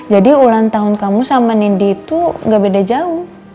jadi ulang tahun kamu sama nindi itu gak beda jauh